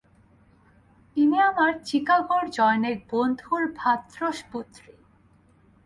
ইনি আমার চিকাগোর জনৈক বন্ধুর ভ্রাতুষ্পুত্রী।